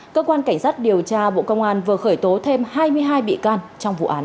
cơ quan cảnh sát điều tra bộ công an vừa khởi tố thêm hai mươi hai bị can trong vụ án